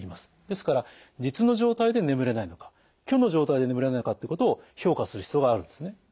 ですから実の状態で眠れないのか虚の状態で眠れないのかということを評価する必要があるんですね。